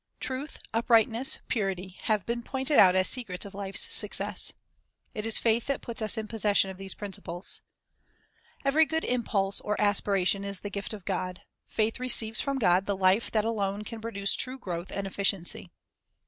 Truth, uprightness, purity, have been pointed out as secrets of life's success. It is faith that puts us in possession of these principles. Every good impulse or aspiration is the gift of God ; faith receives from God the life that alone can produce true growth and efficiency.